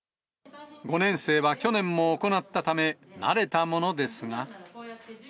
５年生は去年も行ったため、慣れたものですが。